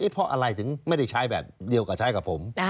เพราะอะไรถึงไม่ได้ใช้แบบเดียวกับใช้กับผม